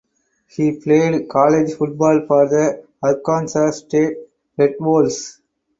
He played college football for the Arkansas State Red Wolves.